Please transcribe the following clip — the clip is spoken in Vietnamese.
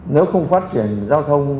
nếu không phát triển giao thông